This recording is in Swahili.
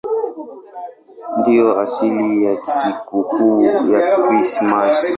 Ndiyo asili ya sikukuu ya Krismasi.